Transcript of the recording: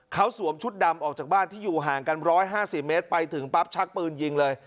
เขาสวมชุดดำออกจากบ้านที่อยู่ห่างกัน๑๕๐เมตรไปถึงปั๊บชักปืนยิงเลย